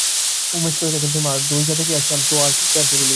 উমেশ কহিল, কিন্তু মা, দই যা দেখিয়া আসিলাম সে আর কী বলিব।